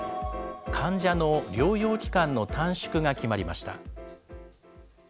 患者の療養期間の短縮が決まりました。